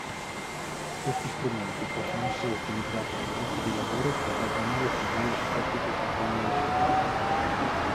Questi strumenti possono essere utilizzati dal gruppo di lavoro per ragionare sui vari aspetti che compongono il servizio.